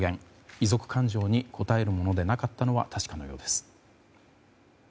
遺族感情に応えるものでなかったのは確かなようです。